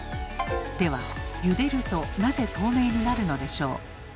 ではゆでるとなぜ透明になるのでしょう。